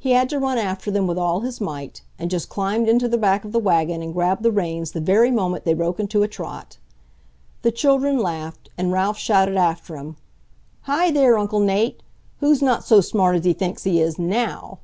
He had to run after them with all his might, and just climbed into the back of the wagon and grabbed the reins the very moment they broke into a trot. The children laughed, and Ralph shouted after him, "Hi, there, Uncle Nate! Who's not so smart as he thinks he is, NOW!"